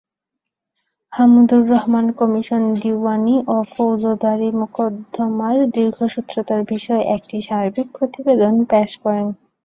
Hamoodur Rahman commission দীউয়ানি ও ফৌজদারি মোকদ্দমার দীর্ঘসূত্রতার বিষয়ে একটি সার্বিক প্রতিবেদন পেশ করেন।